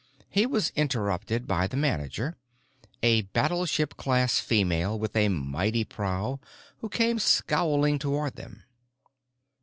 He was interrupted by the manager, a battleship class female with a mighty prow, who came scowling toward them.